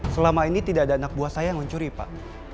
selama ini tidak ada anak buah saya yang mencuri pak